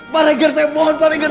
parenger saya mohon parenger